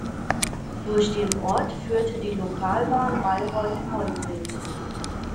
Durch den Ort führte die Lokalbahn Bayreuth–Hollfeld.